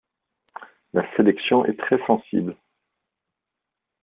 La sélection est très sensible.